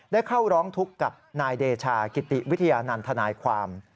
ได้เข้าร้องทุกข์กับนายเดชากิติวิทยานันทนายความ